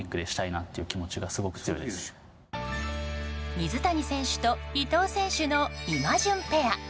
水谷選手と伊藤選手のみまじゅんペア。